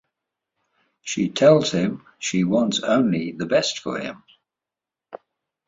She tells him she wants only the best for him.